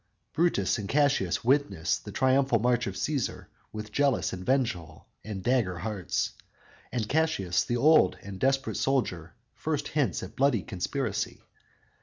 "_ Brutus and Cassius witness the triumphal march of Cæsar with jealous, vengeful and dagger hearts, and Cassius, the old, desperate soldier, first hints at blood conspiracy.